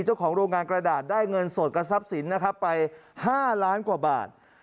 เจ้าของโรงงานกระดาษได้เงินสดกับทรัพย์สินนะครับไป๕ล้านกว่าบาท